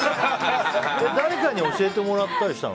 誰かに教えてもらったりしたの？